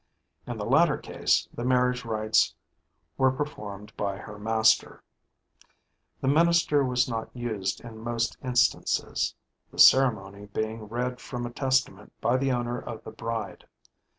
In the latter case, the marriage rites were performed by her master. The minister was not used in most instances the ceremony [HW: being] read from a testament by the owner of the bride.